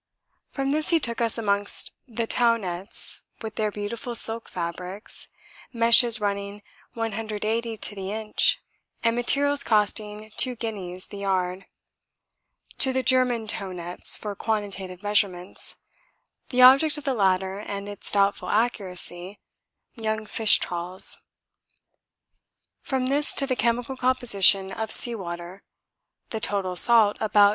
From this he took us amongst the tow nets with their beautiful silk fabrics, meshes running 180 to the inch and materials costing 2 guineas the yard to the German tow nets for quantitative measurements, the object of the latter and its doubtful accuracy, young fish trawls. From this to the chemical composition of sea water, the total salt about 3.